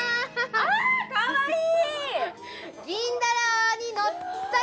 ああかわいい！